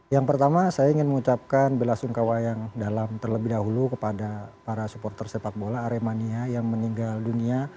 yang pertama saya ingin mengucapkan bela sungkawa yang dalam terlebih dahulu kepada para supporter sepak bola aremania yang meninggal dunia